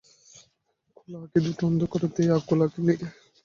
খোলা আঁখি দুটো অন্ধ করে দে আকুল আঁখির নীরে।